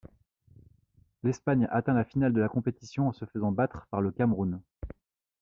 L'Espagne atteint la finale de la compétition, en se faisant battre par le Cameroun.